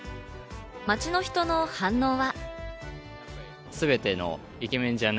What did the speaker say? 街の人の反応は。